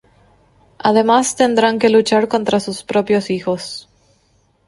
Además tendrán que luchar contra sus propios hijos.